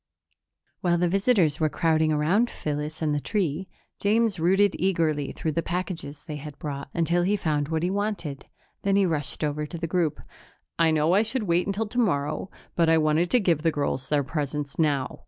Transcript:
While the visitors were crowding around Phyllis and the tree, James rooted eagerly through the packages they had brought, until he found what he wanted. Then he rushed over to the group. "I know I should wait until tomorrow, but I want to give the girls their presents now."